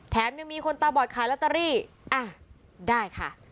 ยังมีคนตาบอดขายลอตเตอรี่อ่ะได้ค่ะ